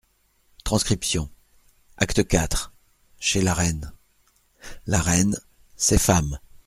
(transcription) (acte quatre) (chez la reine) La reine, ses femmes.